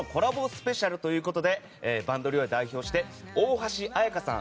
スペシャルということで「バンドリ！」を代表して大橋彩香さん